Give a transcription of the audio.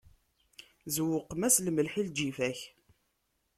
Ẓewqem-as lemleḥ, i lǧifa-k!